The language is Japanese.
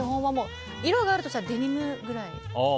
色があるとしたら、デニムくらい。